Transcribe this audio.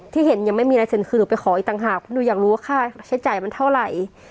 ที่เห็นยังไม่มีลายเซ็นคือหนูไปขออีกต่างหากเพราะหนูอยากรู้ว่าค่าใช้จ่ายมันเท่าไหร่